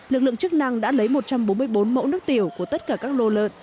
lực lượng chức năng đã lấy một trăm bốn mươi bốn mẫu nước tiểu của tất cả các lô lợn